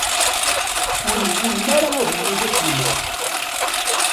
Ur iwulem ara ad yili d aselmad.